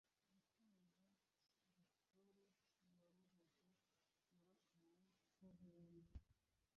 Gutanga diikuru yoroheje yerekana ko wumva